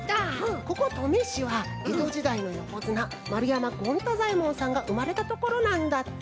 ここ登米市はえどじだいのよこづな丸山権太左衛門さんがうまれたところなんだって！